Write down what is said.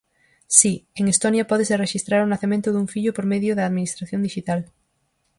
Si, en Estonia pódese rexistrar o nacemento dun fillo por medio da administración dixital.